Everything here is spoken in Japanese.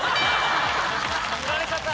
・振られちゃった。